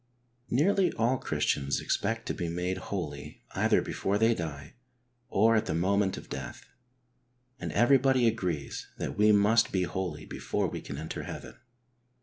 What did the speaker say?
Nearly all Christians expect to be mode holy either before they die, or at the moment of death. And everybody agrees that we must be holy before we can enter Heaven.